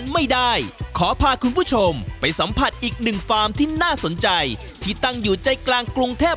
ไม่ได้ขอพาคุณผู้ชมไปสัมผัสอีกหนึ่งฟาร์มที่น่าสนใจที่ตั้งอยู่ใจกลางกรุงเทพ